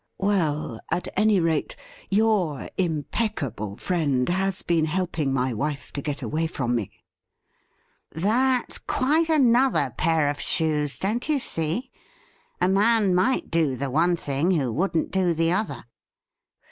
'Well, at any rate, your impeccable friend has been helping my wife to get away from me '' That's quite another pair of shoes, don't you see ? A man might do the one thing who wouldn't do the other.'